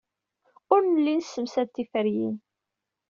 Ur nelli nessemsad tiferyin.